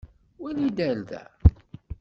Wali-d ar da!